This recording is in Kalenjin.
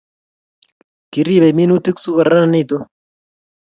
Kiripei minutik sikokararanitu